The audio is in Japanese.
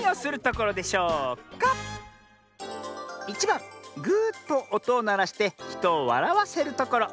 １ばん「ぐとおとをならしてひとをわらわせるところ」。